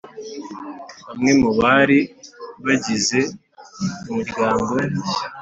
Bamwe mu bari bagize umuryango